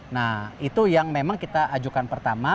nah itu yang memang kita ajukan pertama